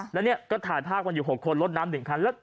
แล้วเนี่ยก็ถ่ายภาพมันอยู่๖คนรถน้ำ๑คัน